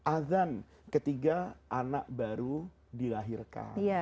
azan ketiga anak baru dilahirkan